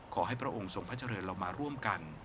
พระองค์ทรงพระเจริญเรามาร่วมกัน